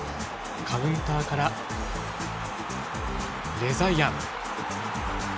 カウンターから、レザイアン。